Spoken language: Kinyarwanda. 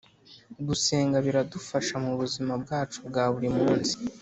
gusenga biradufasha mubuzima bwacu bwa buri munsi